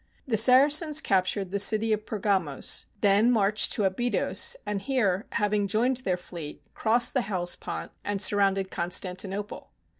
The Saracens captured the city of Pergamos, then marched to Abydos, and here, having joined their fleet, crossed the Hellespont and surrounded Constantinople.